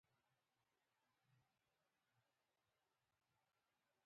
هره ورځ ورزش کول صحت ته ګټه لري.